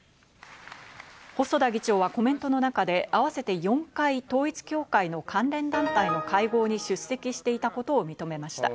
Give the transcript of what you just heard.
細田議長はコメントの中で合わせて４回、統一教会の関連団体の会合に出席していたことを認めました。